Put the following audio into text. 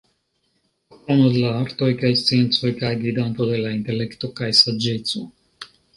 Patrono de la artoj kaj sciencoj kaj gvidanto de la intelekto kaj saĝeco.